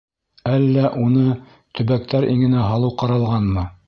Әллә уны төбәктәр иңенә һалыу ҡаралғанмы?